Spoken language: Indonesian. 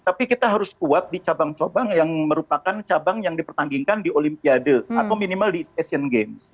tapi kita harus kuat di cabang cabang yang merupakan cabang yang dipertandingkan di olimpiade atau minimal di asian games